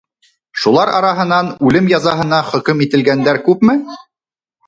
Шулар араһынан үлем язаһына хөкөм ителгәндәр күпме?